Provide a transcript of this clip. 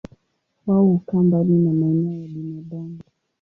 Wao hukaa mbali na maeneo ya binadamu.